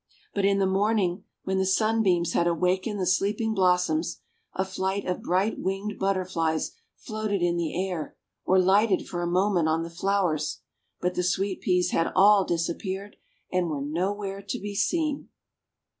But in the morning when the sunbeams had awakened the sleeping blossoms, a flight of bright winged Butterflies floated in the air or lighted for a moment on the flowers, but the Sweet Peas had all disappeared and were nowhere to be seen.